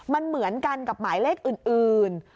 มันเหมือนกันกับหมายเลขอื่น